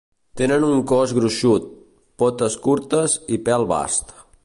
Tenen un cos gruixut, potes curtes i pèl bast.